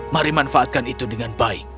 mari manfaatkan itu dengan baik